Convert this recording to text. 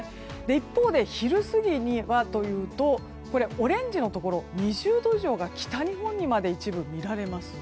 一方で昼過ぎにはというとオレンジのところ２０度以上のところが北日本にまで一部見られます。